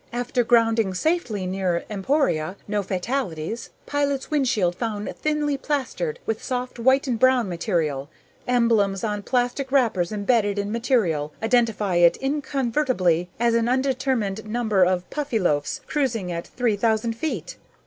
After grounding safely near Emporia no fatalities pilot's windshield found thinly plastered with soft white and brown material. Emblems on plastic wrappers embedded in material identify it incontrovertibly as an undetermined number of Puffyloaves cruising at three thousand feet!"